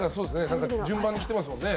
なんか順番にきてますもんね。